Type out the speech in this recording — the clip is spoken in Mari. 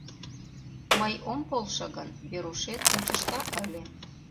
Мый ом полшо гын, Верушет мучышта ыле...